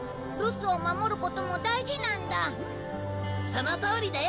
そのとおりだよ